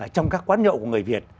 trong các quán nhậu của người việt